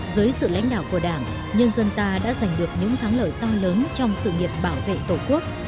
dưới sự lãnh đạo của đảng nhân dân ta đã giành được những thắng lợi to lớn trong sự nghiệp bảo vệ tổ quốc